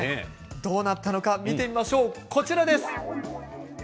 どうなったのか、見てみましょうこちらです。